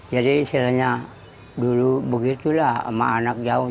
jadi istilahnya dulu begitulah sama anak jauh